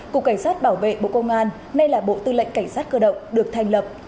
cục cảnh sát bảo vệ bộ công an nay là bộ tư lệnh cảnh sát cơ động được thành lập